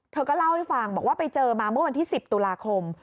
เธอก็เล่าให้ฟังบอกว่าไปเจอมาเมื่อวันที่๑๐ตุลาคม